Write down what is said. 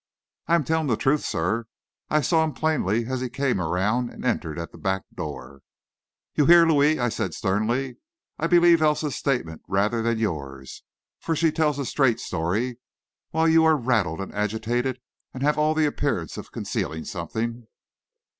"I am telling the truth, sir. I saw him plainly as he came around and entered at the back door." "You hear, Louis?" I said sternly. "I believe Elsa's statement rather than yours, for she tells a straight story, while you are rattled and agitated, and have all the appearance of concealing something."